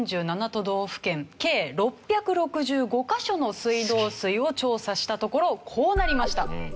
都道府県計６６５カ所の水道水を調査したところこうなりました。